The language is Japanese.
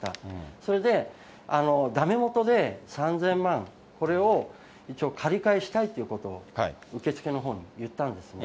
それでだめもとで３０００万、これを一応、借り換えしたいっていうことを、受け付けのほうに言ったんですね。